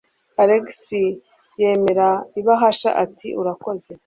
Alex yemera ibahasha ati: "Urakoze."